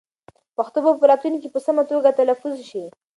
پښتو به په راتلونکي کې په سمه توګه تلفظ شي.